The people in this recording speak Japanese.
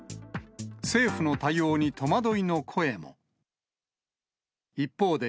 政府の対応に戸惑いの声も。